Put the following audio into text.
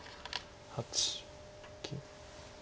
８９。